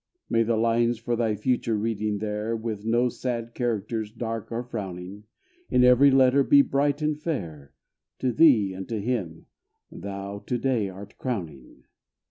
May the lines for thy future reading there, With no sad characters dark or frowning, In every letter be bright and fair, To thee and to him thou to day art crowning.